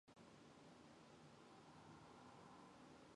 Тэдний хувьд найман цаг лабораторид ажиллана гэдэг хангалтгүй байсан юм.